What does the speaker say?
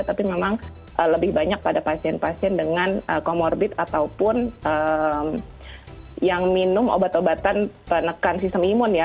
tapi memang lebih banyak pada pasien pasien dengan comorbid ataupun yang minum obat obatan penekan sistem imun ya